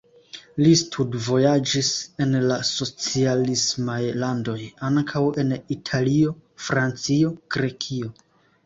Li studvojaĝis en la socialismaj landoj, ankaŭ en Italio, Francio, Grekio.